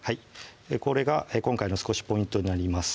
これが今回の少しポイントになります